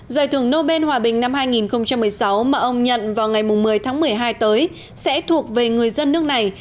giải thưởng nobel hòa bình năm hai nghìn một mươi sáu mà ông nhận vào ngày một mươi tháng một mươi hai tới sẽ thuộc về người dân nước này